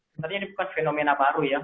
sebenarnya ini bukan fenomena baru ya